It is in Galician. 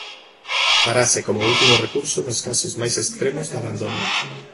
Farase como último recurso nos casos máis extremos de abandono.